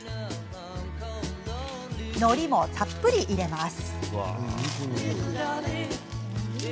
のりもたっぷり入れます。